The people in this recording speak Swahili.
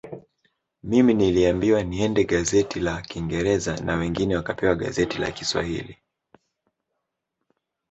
Mimi niliambiwa niende gazeti la kingereza na wengine wakapewa gazeti la kishwahili